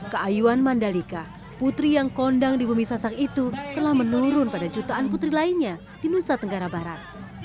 keayuan mandalika putri yang kondang di bumi sasak itu telah menurun pada jutaan putri lainnya di nusa tenggara barat